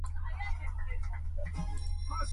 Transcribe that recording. There was criticism of his approach.